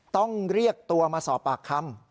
ต้องเรียกตัวมาสอบปากคำ